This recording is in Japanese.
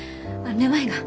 めまいが。